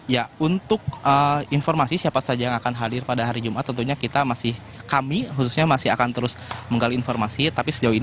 ya untuk informasi siapa saja yang akan hadir pada hari jumat tentunya kita masih kami khususnya masih akan terus menggali informasi tapi sejauh ini